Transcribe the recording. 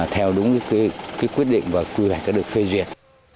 theo đúng quyết định và quy hoạch đã được phê duyệt